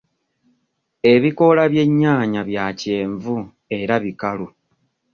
Ebikoola by'ennyaanya bya kyenvu era bikalu.